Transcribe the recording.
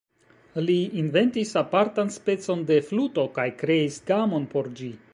Li inventis apartan specon de fluto kaj kreis gamon por ĝi.